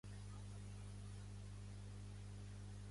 No volia el poder sobre la gent.